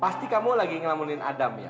pasti kamu lagi ngelamulin adam ya